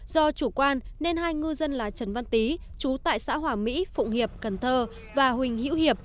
do chủ quan nên hai ngư dân là trần văn tý chú tại xã hòa mỹ phụng hiệp cần thơ và huỳnh hữu hiệp